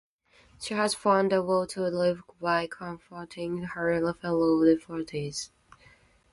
She has found the will to live by comforting her fellow deportees.